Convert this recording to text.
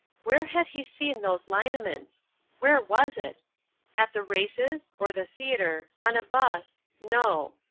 Where had he seen those lineaments? Where was it? At the races, or the theatre—on a bus—no.